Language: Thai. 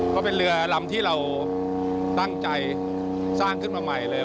ก็เป็นเรือลำที่เราตั้งใจสร้างขึ้นมาใหม่เลย